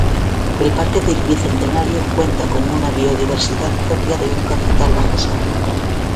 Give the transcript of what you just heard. El Parque del Bicentenario cuenta con una biodiversidad propia de un cafetal bajo sombra.